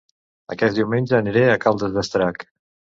Aquest diumenge aniré a Caldes d'Estrac